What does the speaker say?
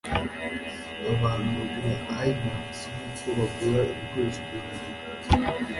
Abantu bagura iMacs nkuko bagura ibikoresho byo murugo